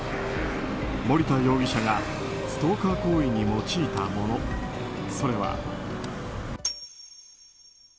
森田容疑者がストーカー行為に用いたもの、それは。